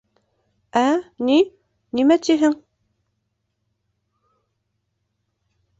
— Ә, ни, нимә тиһең?